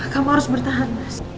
kamu harus bertahan mas